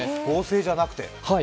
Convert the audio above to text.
合成じゃなくて？